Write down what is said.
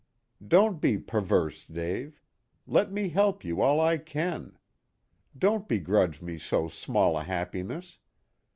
Don't be perverse, Dave. Let me help you all I can. Don't begrudge me so small a happiness.